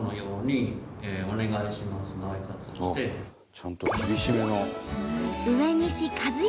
ちゃんと厳しめの。